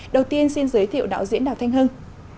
đầu tiên xin giới thiệu đạo diễn đào thanh hưng